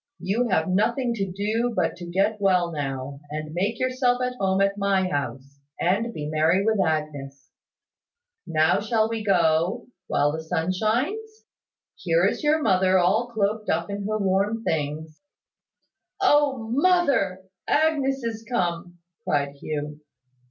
You have nothing to do but to get well now, and make yourself at home at my house, and be merry with Agnes. Now shall we go, while the sun shines? Here is your mother all cloaked up in her warm things." "O, mother! Agnes is come," cried Hugh.